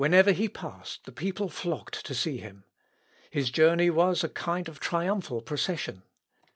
] Wherever he passed the people flocked to see him. His journey was a kind of triumphal procession.